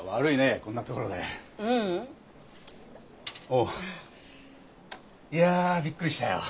おう。いやびっくりしたよ。